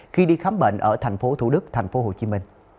khi đi khám bệnh ở tp thủ đức tp hcm